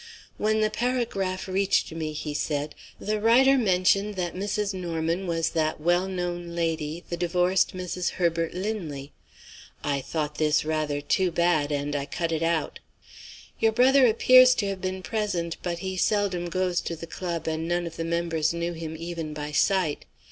'When the paragraph reached me,' he said, 'the writer mentioned that Mrs. Norman was that well known lady, the divorced Mrs. Herbert Linley. I thought this rather too bad, and I cut it out.' Your brother appears to have been present but he seldom goes to the club, and none of the members knew him even by sight.